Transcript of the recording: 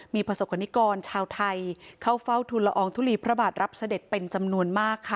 มีประสบกรณิกรชาวไทยเข้าเฝ้าทุนละอองทุลีพระบาทรับเสด็จเป็นจำนวนมากค่ะ